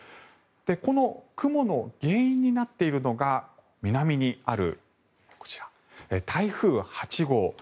この雲の原因になっているのが南にある台風８号。